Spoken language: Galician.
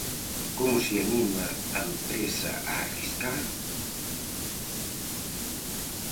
Como se anima a empresa a arriscar?